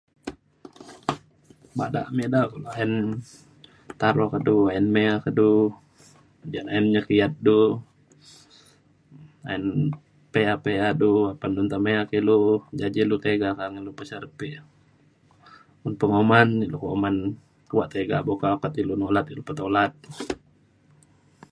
badak me eda kulu ayen taro ke du, ayen me'a ke du, ja ayen nyekiat du ayen pe'a pe'a du apan du nta me'a ilu janji ilu tega ka'ang du peserepik. un pengoman ilu oman kuak tega boka okat ilu nolat ilu petolat.